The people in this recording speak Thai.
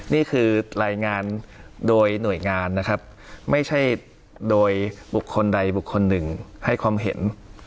นี่คือรายงานโดยหน่วยงานนะครับไม่ใช่โดยบุคคลใดบุคคลหนึ่งให้ความเห็น